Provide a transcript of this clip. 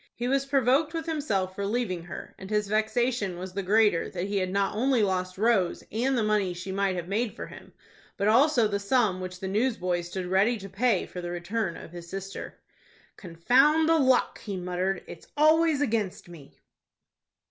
He was provoked with himself for leaving her, and his vexation was the greater that he had not only lost Rose and the money she might have made for him, but also the sum which the newsboy stood ready to pay for the return of his sister. "Confound the luck!" he muttered. "It's always against me."